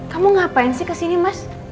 kamu ngapain sih kesini mas